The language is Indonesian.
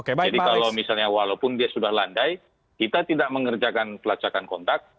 jadi kalau misalnya walaupun dia sudah landai kita tidak mengerjakan pelacakan kontak